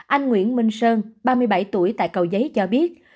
anh nguyễn minh sơn ba mươi bảy tuổi tại cầu giấy cho biết